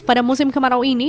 pada musim kemarau ini